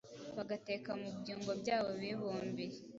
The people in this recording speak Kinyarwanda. bagateka mu byungo byabo bibumbiye,